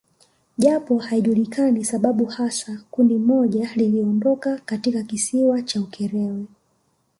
Japo haijulikani sababu hasa kundi moja liliondoka katika kisiwa cha Ukerewe